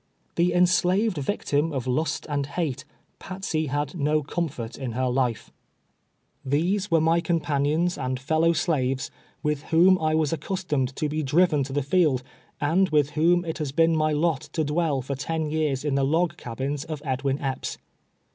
The enslaved vic tim of lust and hate, Patsey had no comfort of her life. 190 TWELVE YEAKS A SLAVE. Tliese were my companions and iMlow slavcp, with whom I Avas aecustonied to be driven to the tiekl, and with whom it has been my h^t to dwell for ten years in the lo^ cabins of EdAA in Epps.